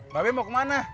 mbak be mau kemana